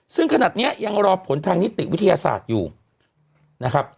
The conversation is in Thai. ซึ่งขนาดนี้ยังรอผลทางนิติวิทยาศาสตร์อยู่นะครับ